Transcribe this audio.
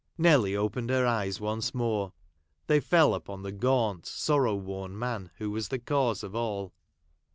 Nelly opened her eyes once more. They fell upon the gaunt, sorrow worn man who was the cause of all.